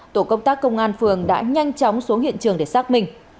tổ công tác công an phường đã nhanh chóng xuống hiện trường để xác minh